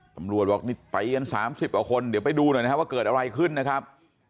ตำรวจบอกนี่ไปกัน๓๐กว่าคนเดี๋ยวไปดูหน่อยนะครับว่าเกิดอะไรขึ้นนะครับ